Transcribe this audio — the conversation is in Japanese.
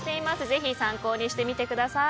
ぜひ参考にしてみてください。